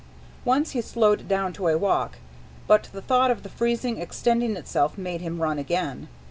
Once he slowed down to a walk, but the thought of the freezing extending itself made him run again.